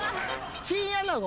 チンアナゴ。